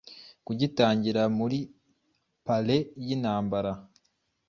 Kugitangira muri parley yintambara